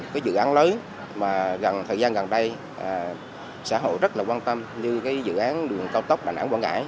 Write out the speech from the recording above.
các dự án lớn mà thời gian gần đây xã hội rất là quan tâm như dự án đường cao tốc đà nẵng bỏ ngãi